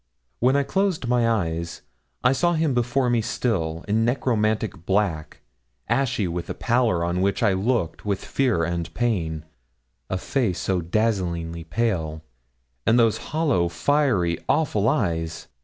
When I closed my eyes I saw him before me still, in necromantic black, ashy with a pallor on which I looked with fear and pain, a face so dazzlingly pale, and those hollow, fiery, awful eyes!